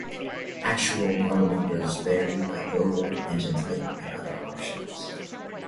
Actual model numbers vary by builder, engine type, and other options.